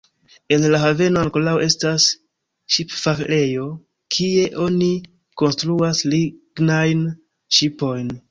En la haveno ankoraŭ estas ŝipfarejo kie oni konstruas lignajn ŝipojn.